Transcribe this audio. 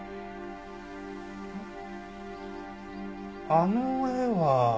あの絵は？